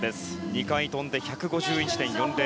２回跳んで１５１．４０。